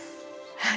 はい。